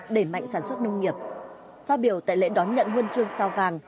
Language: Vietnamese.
đẩy mạnh sản xuất nông nghiệp phát biểu tại lễ đón nhận huân chương sao vàng